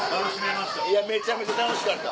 めちゃめちゃ楽しかった。